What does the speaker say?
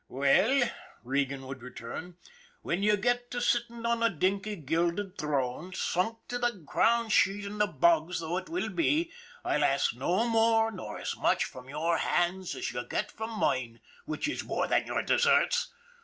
" "Well," Regan would return, "when you get to sitting on a dinky, gilded throne, sunk to the crown sheet in the bogs though it will be, I'd ask no more nor as much from your hands as you get from mine which is more than your deserts.